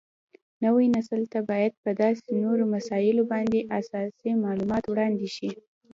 نوي نسل ته باید په داسې نوو مسایلو باندې اساسي معلومات وړاندې شي